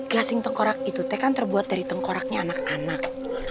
gasing tengkorak itu tekan terbuat dari tengkoraknya anak anak